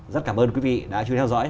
rất cảm ơn quý vị đã chú ý theo dõi